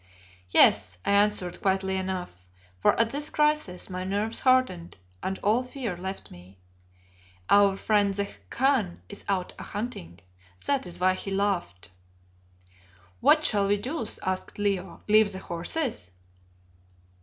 "Yes," I answered quietly enough, for at this crisis my nerves hardened and all fear left me, "our friend the Khan is out a hunting. That is why he laughed." "What shall we do?" asked Leo. "Leave the horses?"